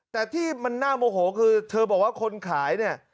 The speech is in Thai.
แต่ที่มันน่าโมโหคือเธอบอกว่าคนขายเนี่ย